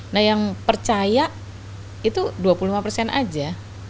nah yang percaya itu dua puluh lima persen aja